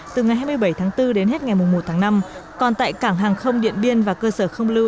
từ ngày hai mươi bảy tháng bốn đến hết ngày một tháng năm còn tại cảng hàng không điện biên và cơ sở không lưu